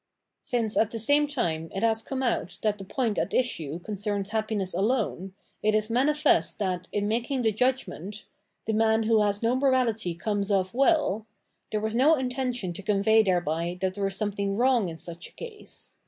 Since, at the same time, it has come out that the point at issue concerns happiness alone, it is manifest that, in making the judgment, '' the man who has no morality comes ofi well," there was no intention to convey thereby that there is something wrong in such a case.